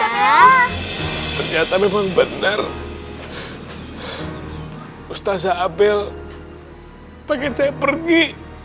ternyata memang benar ustazah abel pengen saya pergi